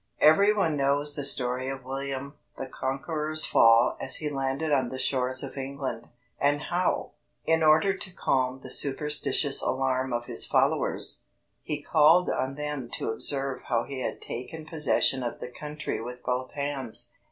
Everyone knows the story of William the Conqueror's fall as he landed on the shores of England, and how, in order to calm the superstitious alarm of his followers, he called on them to observe how he had taken possession of the country with both hands.